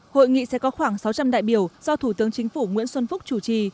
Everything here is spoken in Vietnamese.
hội nghị sẽ có khoảng sáu trăm linh đại biểu do thủ tướng chính phủ nguyễn xuân phúc chủ trì